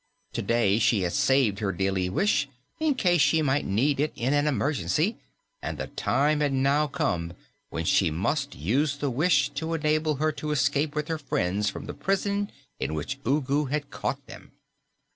Today she had saved her daily wish in case she might need it in an emergency, and the time had now come when she must use the wish to enable her to escape with her friends from the prison in which Ugu had caught them.